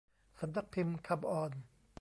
สำนักพิมพ์คัมออน